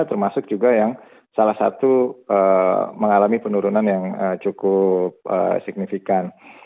termasuk juga yang salah satu mengalami penurunan yang cukup signifikan